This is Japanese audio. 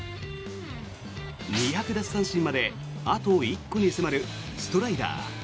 ２００奪三振まであと１個に迫るストライダー。